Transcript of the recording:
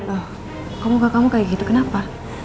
oh kamu muka kamu kayak gitu kenapa